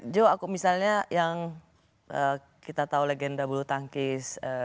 jo aku misalnya yang kita tahu legenda bulu tangkis